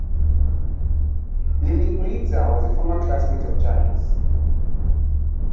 Lilly Pulitzer was a former classmate of Jackie's.